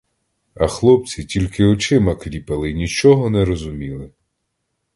А хлопці тільки очима кліпали й нічого не розуміли.